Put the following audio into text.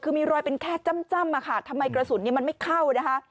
คือมีรอยเป็นแค่จ้ำอะค่ะทำไมกระสุนมันไม่เข้านะคะ